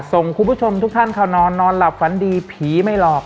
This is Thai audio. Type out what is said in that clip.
ส่งคุณผู้ชมทุกท่านเข้านอนนอนหลับฝันดีผีไม่หลอก